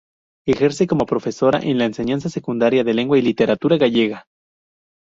Ejerce como profesora en la enseñanza secundaria de Lengua y Literatura Gallega.